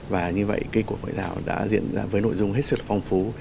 và như vậy cuộc hội thảo đã diễn ra với nội dung hết sức phong phú